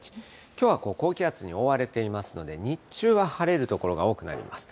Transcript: きょうはこう、高気圧に覆われていますので、日中は晴れる所が多くなります。